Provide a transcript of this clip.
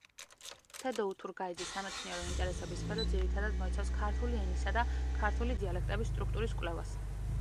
თედო უთურგაიძის სამეცნიერო ინტერესების სფერო ძირითადად მოიცავს ქართული ენისა და ქართული დიალექტების სტრუქტურის კვლევას.